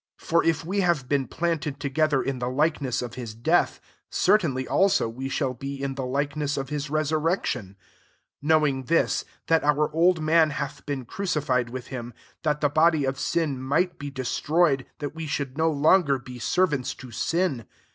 5 For if we have been planted together in the likeness of his death, cer tainly also we shall be in the likeness of his resurrection : 6 knowing this, that our old man hath been crucified with A/m, that the body of sin might be de stroyed, that we should no long er be servants to sin.